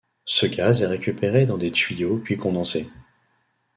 Ce gaz est récupéré dans des tuyaux puis condensé.